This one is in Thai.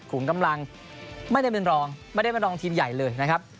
กำลังไม่ได้เป็นรองไม่ได้เป็นรองทีมใหญ่เลยนะครับ